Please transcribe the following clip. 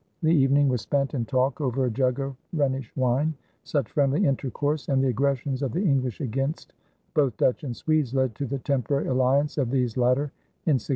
The evening was spent in talk over a jug of Rhenish wine. Such friendly intercourse and the aggressions of the English against both Dutch and Swedes led to the temporary alliance of these latter in 1651.